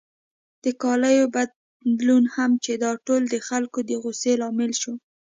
د کالیو بدلون هم چې دا ټول د خلکو د غوسې لامل شو.